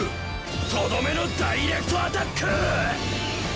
とどめのダイレクトアタック！